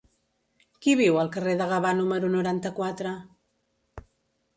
Qui viu al carrer de Gavà número noranta-quatre?